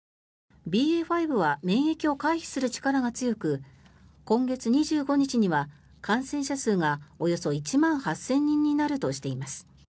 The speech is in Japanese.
ＢＡ．５は免疫を回避する力が強く今月２５日には感染者数がおよそ１万８０００人になるとしています。